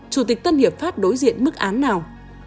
chủ tịch tân hiệp pháp đối diện mức án nào